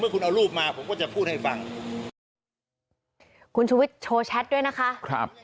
ครับ